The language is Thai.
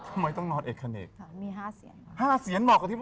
ทำไมต้องนอนเอก